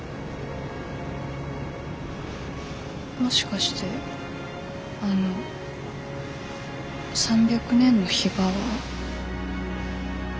もしかしてあの３００年のヒバは。